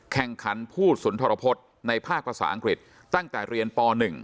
แข่งขันผู้สุนทรพฤษในภาคภาษาอังกฤษตั้งแต่เรียนป๑